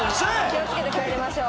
気を付けて帰りましょう。